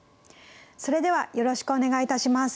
それではよろしくお願いいたします。